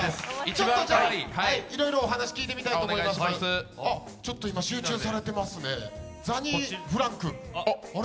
ちょっといろいろお話聞いてみたいと思います集中されていますね、ザニーフランク。